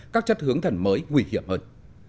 các chất hướng thần mới nguy hiểm hơn